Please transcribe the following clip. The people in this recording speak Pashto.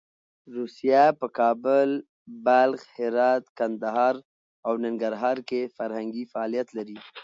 روسیه په کابل، بلخ، هرات، کندهار او ننګرهار کې فرهنګي فعالیت لري.